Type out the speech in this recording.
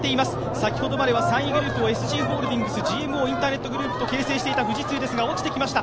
先ほどまでは３位グループをＳＧホールディングス、ＧＭＯインターネットグループと形成していた富士通ですが落ちてきました。